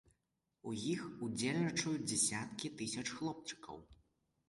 У іх удзельнічаюць дзясяткі тысяч хлопчыкаў.